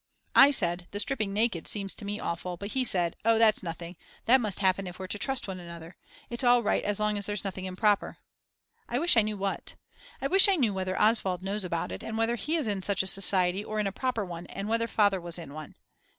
I said, the stripping naked seems to me awful; but he said, Oh, that's nothing, that must happen if we're to trust one another, it's all right as long as there's nothing improper. I wish I knew what. I wish I knew whether Oswald knows about it, and whether he is in such a society or in a proper one and whether Father was in one.